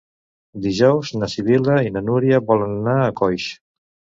Dijous na Sibil·la i na Núria volen anar a Coix.